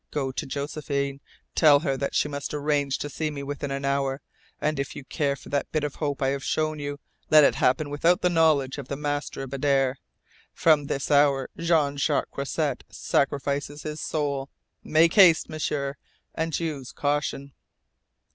"Go to Josephine. Tell her that she must arrange to see me within an hour. And if you care for that bit of hope I have shown you, let it happen without the knowledge of the master of Adare. From this hour Jean Jacques Croisset sacrifices his soul. Make haste, M'sieur and use caution!"